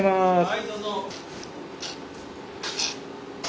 ・はいどうぞ。